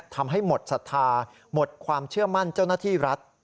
ทำให้หมดศรัทธาหมดความเชื่อมั่นเจ้าหน้าที่รัฐ